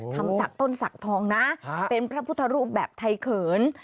ทำจากต้นศักดิ์ทองนะเป็นพระพุทธรูปแบบไทยเขิน